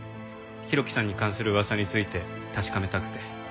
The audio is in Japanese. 浩喜さんに関する噂について確かめたくて。